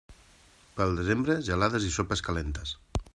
Pel desembre, gelades i sopes calentes.